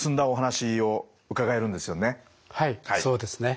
はいそうですね。